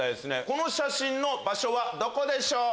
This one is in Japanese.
この写真の場所はどこでしょう？